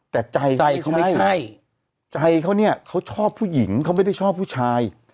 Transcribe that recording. แต่ใจใจเขาไม่ใช่ใจเขาเนี่ยเขาชอบผู้หญิงเขาไม่ได้ชอบผู้ชาย